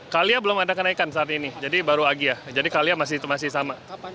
kalia belum ada kenaikan saat ini jadi baru agia jadi kalia masih sama